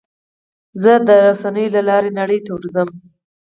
زه د رسنیو له لارې نړۍ ته ورځم.